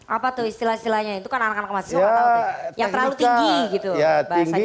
apa tuh istilah istilahnya itu kan anak anak masyarakat tau